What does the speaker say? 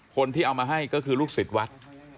คนที่เอามาให้ก็คือลูกศิษย์วัด